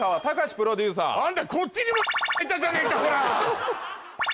プロデューサーあんたこっちにも○○いたじゃねえかほら！